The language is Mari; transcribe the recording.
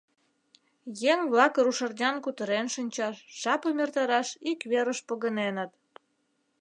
Еҥ-влак рушарнян кутырен шинчаш, жапым эртараш ик верыш погыненыт.